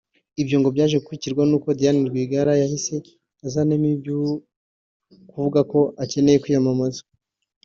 Ibyo ngo byaje gukurikirwa n’uko Diane Rwigara yahise azanamo ibyo kuvuga ko akeneye kwiyamamaza